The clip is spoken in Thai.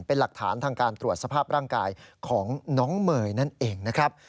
เป็นหลักฐานทางการตรวจสภาพร่างกายของน้องเมย์นั่นเองนะครับ